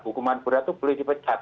hukuman berat itu boleh dipecat